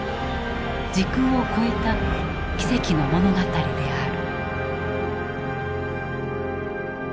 時空を超えた奇跡の物語である。